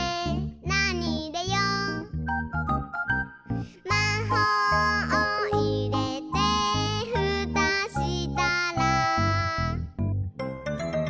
「なにいれよう？」「まほうをいれてふたしたら」